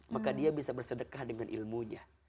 maka dia bisa bersedekah dengan ilmunya